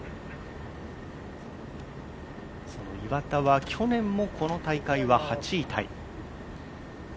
その岩田は去年もこの大会は８位タイ。